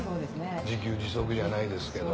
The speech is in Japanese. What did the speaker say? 自給自足じゃないですけど。